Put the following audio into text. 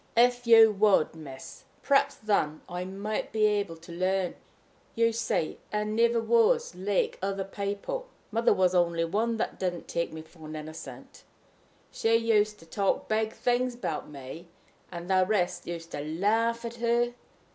"If you would, miss, perhaps then I might be able to learn. You see, I never was like other people. Mother was the only one that didn't take me for an innocent. She used to talk big things about me, and the rest used to laugh at her.